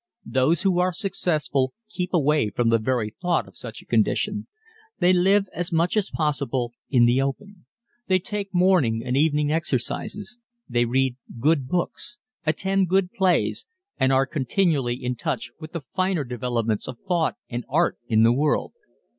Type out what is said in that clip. Those who are successful keep away from the very thought of such a condition. They live as much as possible in the open. They take morning and evening exercises. They read good books, attend good plays and are continually in touch with the finer developments of thought and art in the world.